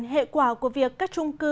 hệ quả của việc các trung cư